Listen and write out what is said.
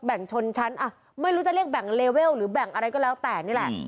งชนชั้นอ่ะไม่รู้จะเรียกแบ่งเลเวลหรือแบ่งอะไรก็แล้วแต่นี่แหละ